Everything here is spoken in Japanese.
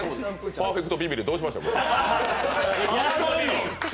パーフェクトビビル、どうしました？